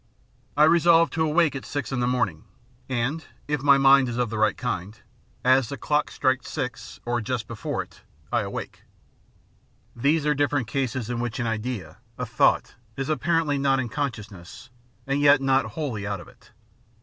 I resolve to awake at six in the morning, and — if my mind is of the right kind — as the clock strikes six, or just before it, I awake. These are diflFerent cases in which an idea, a thought, is apparently not in conscious ness, and yet not wholly out of it.